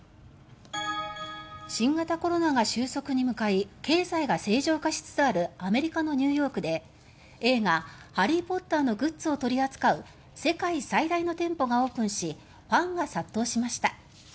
新型コロナが収束に向かい経済が正常化しつつあるアメリカのニューヨークで映画「ハリー・ポッター」のグッズを取り扱う世界最大の店舗がオープンしファンが殺到しました。